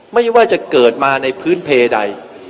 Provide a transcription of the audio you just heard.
ไม่ว่าจะเกิดมาในพื้นเพใด